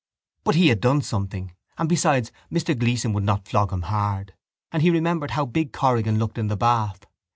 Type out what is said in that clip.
But he had done something and besides Mr Gleeson would not flog him hard: and he remembered how big Corrigan looked in the bath.